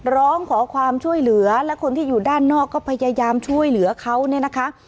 ร้องขอความช่วยเหลือและคนที่อยู่ด้านนอกก็พยายามช่วยเหลือเขาเนี่ยนะคะ